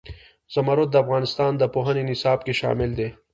زمرد د افغانستان د پوهنې نصاب کې شامل دي.